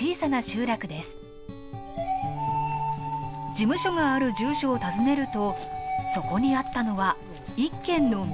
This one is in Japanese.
事務所がある住所を訪ねるとそこにあったのは一軒の民家。